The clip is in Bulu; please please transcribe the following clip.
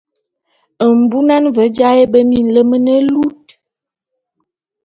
Mbunan ve jaé be minlem ne lut.